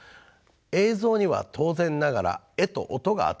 映像には当然ながら絵と音が与えられます。